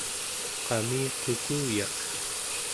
qamiqukuyak